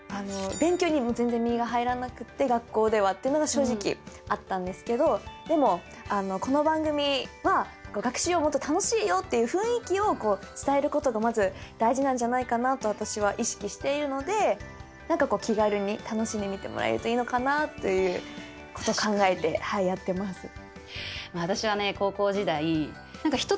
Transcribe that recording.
勉強にも全然身が入らなくって学校ではってのが正直あったんですけどでもこの番組は学習はもっと楽しいよっていう雰囲気を伝えることがまず大事なんじゃないかなと私は意識しているので何か気軽に楽しんで見てもらえるといいのかなということ考えてやってます。